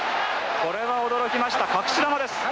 これは驚きました隠し球です。